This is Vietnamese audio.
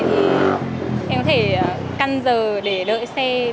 thì em có thể căn giờ để đợi xe